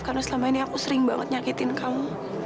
karena selama ini aku sering banget nyakitkan kamu